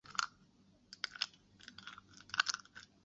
本鱼分布于夏威夷群岛。